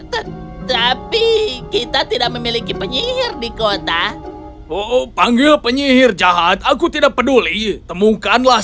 tetapi kita tidak memiliki penyihir di kota oh panggil penyihir jahat aku tidak peduli temukanlah